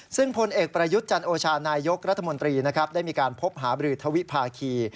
ซึ่งพลเอกประยุทธ์จันโอชานายกรัฐมนตรีนะครับได้มีการพบหาบรือทวิภาคี